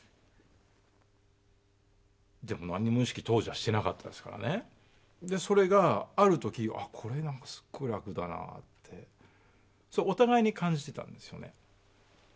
でもなんにも意識、当時はしてなかったですからね、それがあるとき、あっ、これはすっごい楽だなって、お互いに感じてたんですよね。